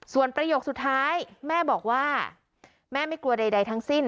ส่วนประโยคสุดท้ายแม่บอกว่าแม่ไม่กลัวใดทั้งสิ้น